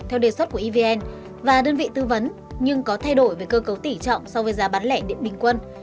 theo đề xuất của evn và đơn vị tư vấn nhưng có thay đổi về cơ cấu tỉ trọng so với giá bán lẻ điện bình quân